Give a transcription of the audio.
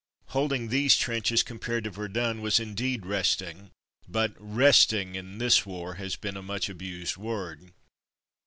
'' Holding these trenches compared to Ver dun was indeed resting — but "resting'' in this war has been a much abused word.